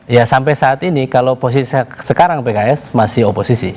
ya sampai saat ini kalau posisi sekarang pks masih oposisi